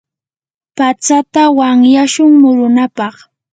patsata wanyashun murunapaq.